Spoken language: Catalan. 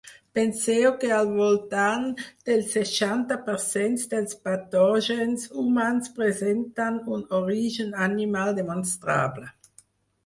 Penseu que al voltant del seixanta per cent dels patògens humans presenten un origen animal demostrable.